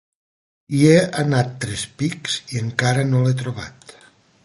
Hi he anat tres pics i encara no l'he trobat.